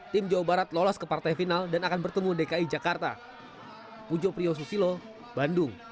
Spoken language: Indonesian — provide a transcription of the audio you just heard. tim jawa barat lolos ke partai final dan akan bertemu dki jakarta